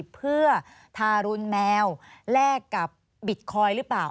เพื่อทารุณแมวแลกกับบิตคอยน์หรือเปล่า